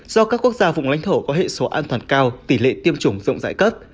do các quốc gia vùng lãnh thổ có hệ số an toàn cao tỷ lệ tiêm chủng rộng rãi cấp